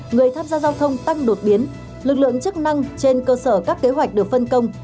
người tham gia giao thông tăng đột biến lực lượng chức năng trên cơ sở các kế hoạch được phân công